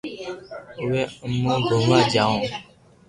اووي امو گوموا جاوُ